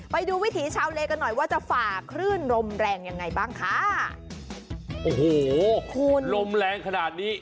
ไปดูวิถีชาวเลกันหน่อยว่าจะฝ่าคลื่นลมแรงยังไงบ้างค่ะโอ้โหคุณลมแรงขนาดนี้